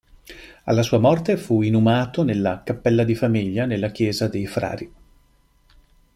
Alla sua morte fu inumato nella cappella di famiglia, nella chiesa dei Frari.